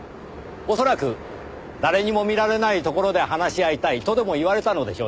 恐らく誰にも見られないところで話し合いたいとでも言われたのでしょう。